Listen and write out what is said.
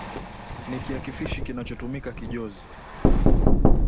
Ni kiakifishi kinachotumika kijozi.